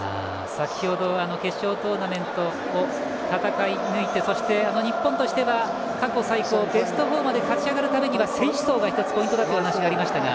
先程は決勝トーナメントを戦い抜いてそして、日本としては過去最高のベスト４まで勝ち上がるためには選手層がポイントだという話がありましたが。